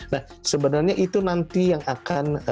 nah sebenarnya itu nanti yang akan